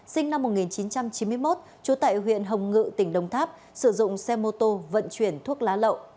sinh năm một nghìn chín trăm chín mươi một trú tại huyện hồng ngự tỉnh đồng tháp sử dụng xe mô tô vận chuyển thuốc lá lậu